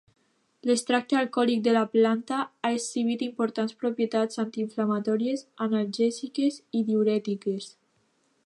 L'extracte alcohòlic de la planta ha exhibit importants propietats antiinflamatòries, analgèsiques i diürètiques.